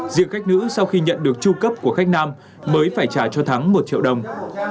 diện khách nữ sau khi nhận được tru cấp của khách nam mới phải trả cho thắng một triệu đồng